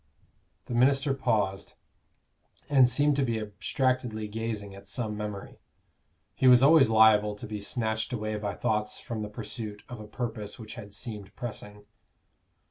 The minister paused, and seemed to be abstractedly gazing at some memory: he was always liable to be snatched away by thoughts from the pursuit of a purpose which had seemed pressing.